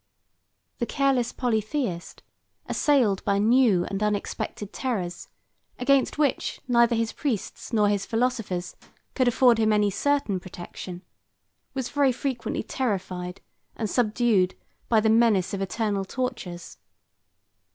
The careless Polytheist, assailed by new and unexpected terrors, against which neither his priests nor his philosophers could afford him any certain protection, was very frequently terrified and subdued by the menace of eternal tortures.